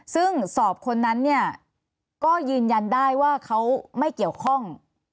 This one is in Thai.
ซึ่งสอบคนนั้นเนี่ยก็ยืนยันได้ว่าเขาไม่เกี่ยวข้อง